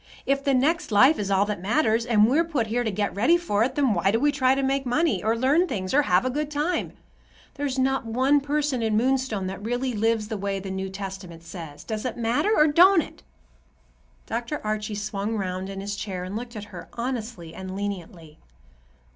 If the next life is all that matters, and we're put here to get ready for it, then why do we try to make money, or learn things, or have a good time? There's not one person in Moonstone that really lives the way the New Testament says. Does it matter, or don't it?" Dr. Archie swung round in his chair and looked at her, honestly and leniently.